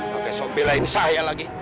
pake sop belain saya lagi